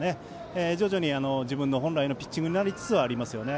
徐々に自分の本来のピッチングになりつつありますね。